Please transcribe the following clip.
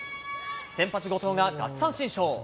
先発、後藤が奪三振ショー。